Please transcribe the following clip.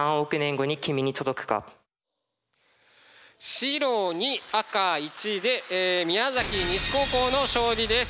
白２赤１で宮崎西高校の勝利です。